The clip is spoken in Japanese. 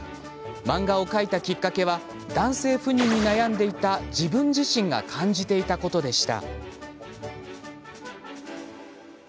漫画を描いたきっかけは男性不妊に悩んでいた自分自身が感じていたことでした。